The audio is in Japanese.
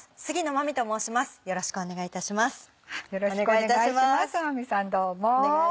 真実さんどうも。